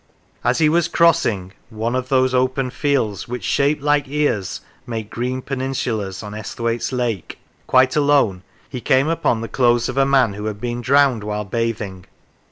As he was crossing One of those open fields, which, shaped like ears, Make green peninsulas on Esthwaite' s lake, quite alone, he came upon the clothes of a man who had been drowned while bathing.